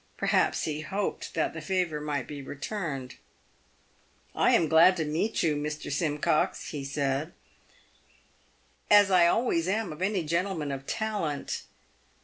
Perhaps he hoped that the favour might be returned. " I am glad to meet you, Mr. Simcox," he said, " as I always am any gentleman of talent."